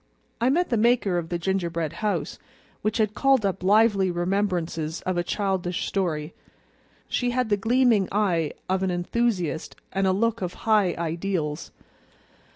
I met the maker of the gingerbread house, which had called up lively remembrances of a childish story. She had the gleaming eye of an enthusiast and a look of high ideals.